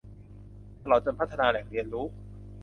ตลอดจนพัฒนาแหล่งเรียนรู้